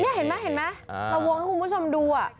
นี่เห็นไหมระวงให้คุณผู้ชมดู